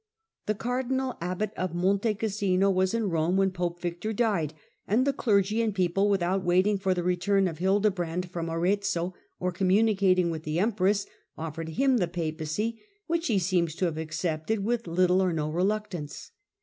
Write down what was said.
The cardinal abbot of Monte Oassino was in Rome when pope Victor died ; and the clergy and people, with out waiting for the return of Hildebrand from Arezzo, or communicating with the empress, ofiered him the Papacy, which he seems to have accepted with little or no reluctance.